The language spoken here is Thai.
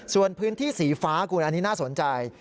ส่วนพื้นที่สีฟ้าคุณอันนี้น่าสนใจ